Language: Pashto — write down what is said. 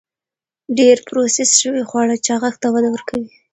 ډېر پروسس شوي خواړه چاغښت ته وده ورکوي.